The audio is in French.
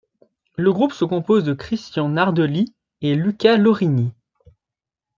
Le groupe se compose de Cristian Nardelli et Luca Lorini.